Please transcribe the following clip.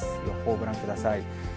予報ご覧ください。